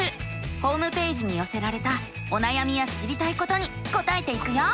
ホームページによせられたおなやみや知りたいことに答えていくよ。